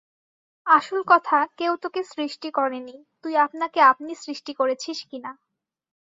আসল কথা, কেউ তোকে সৃষ্টি করেনি, তুই আপনাকে আপনি সৃষ্টি করেছিস কিনা।